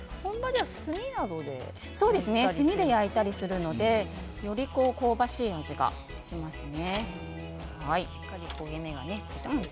炭で焼いたりするのでより香ばしい味がしますね。